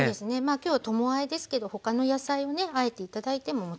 今日ともあえですけど他の野菜をねあえて頂いてももちろんいいです。